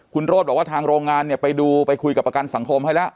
คุณโรธบอกว่าทางโรงงานเนี่ยไปดูไปคุยกับประกันสังคมให้แล้ว